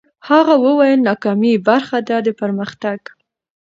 هغه وویل، ناکامي برخه ده د پرمختګ.